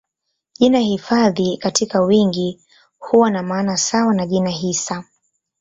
Jina hifadhi katika wingi huwa na maana sawa na jina hisa.